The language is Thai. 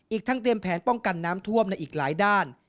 อีกทั้งเตรียมแผนป้องกันน้ำท่วมในอีกหลายด้าน